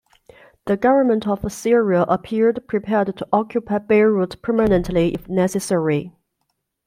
The government of Syria appeared prepared to occupy Beirut permanently, if necessary.